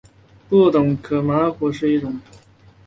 不等壳毛蚶是魁蛤目魁蛤科毛蚶属的一种。